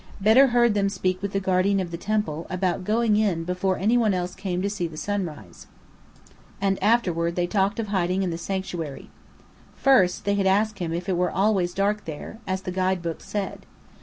Bedr heard them speak with the guardian of the temple, about going in before any one else came to see the sunrise: and afterward they talked of hiding in the Sanctuary. First, they had asked him if it were always dark there, as the guide books said.